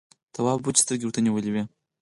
تواب وچې سترګې ورته نيولې وې.